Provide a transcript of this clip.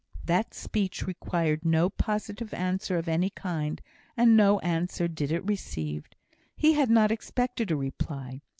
That speech required no positive answer of any kind; and no answer did it receive. He had not expected a reply.